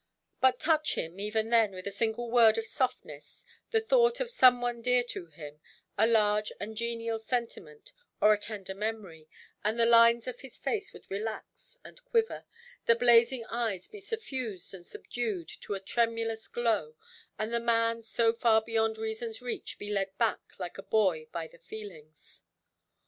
But touch him, even then, with a single word of softness, the thought of some one dear to him, a large and genial sentiment, or a tender memory—and the lines of his face would relax and quiver, the blazing eyes be suffused and subdued to a tremulous glow; and the man, so far beyond reasonʼs reach, be led back, like a boy, by the feelings.